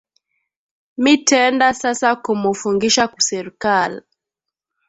Mitenda sasa kumu fungisha ku serkali